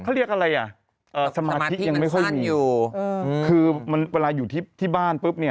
เขาเรียกอะไรสมาธิยังไม่ค่อยมีคือเวลาอยู่ที่บ้านปุ๊บ